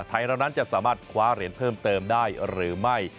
เรานั้นจะสามารถคว้าเหรียญเพิ่มเติมได้หรือไม่